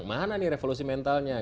mana nih revolusi mentalnya